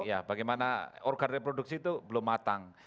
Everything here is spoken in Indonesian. ya bagaimana organ reproduksi itu belum matang